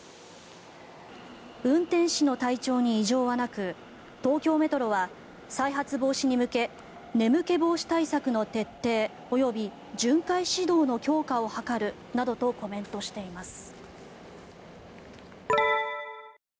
運転士の体調に異常はなく東京メトロは再発防止に向け眠気防止対策の徹底及び巡回指導の強化を図るなどとコメントしています。